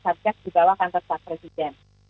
subjek di bawah kantor saat presiden